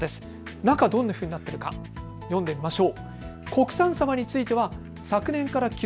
中どういうふうになっているか見てみましょう。